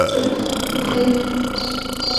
আয়, সিম্বা!